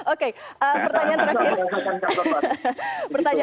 oke pertanyaan terakhir